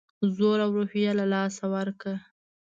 زور او روحیه له لاسه ورکړه.